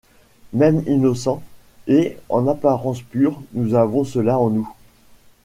Même innocents, et en apparence purs, nous avons cela en nous.